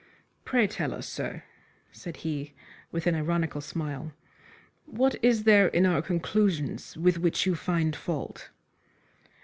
"Pray tell us, sir," said he, with an ironical smile, "what is there in our conclusions with which you find fault?"